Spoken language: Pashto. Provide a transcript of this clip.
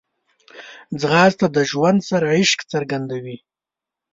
ځغاسته د ژوند سره عشق څرګندوي